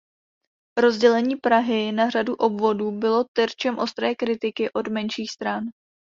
Rozdělení Prahy na řadu obvodů bylo terčem ostré kritiky od menších stran.